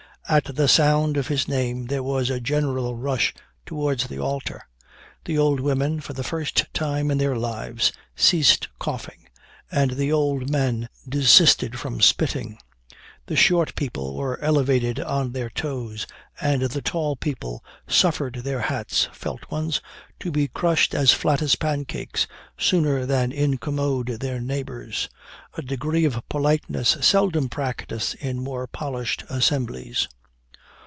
At the sound of his name, there was a general rush towards the altar. The old women, for the first time in their lives, ceased coughing, and the old men desisted from spitting. The short people were elevated on their toes, and the tall people suffered their hats (felt ones) to be crushed as flat as pancakes, sooner then incommode their neighbors a degree of politeness seldom practised in more polished assemblies.